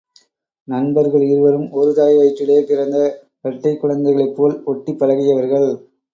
நண்பர்கள் இருவரும் ஒரு தாய் வயிற்றிலே பிறந்த இரட்டைக் குழந்தைகளைப் போல் ஒட்டிப் பழகியவர்கள்.